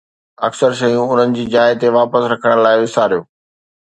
اڪثر شيون انهن جي جاء تي واپس رکڻ لاء وساريو